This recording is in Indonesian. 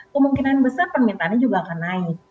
kemungkinan besar permintaannya juga akan naik